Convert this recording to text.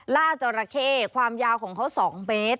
ล่าจราเข้ความยาวของเขา๒เมตร